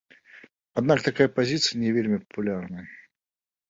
Аднак такая пазіцыя не вельмі папулярная.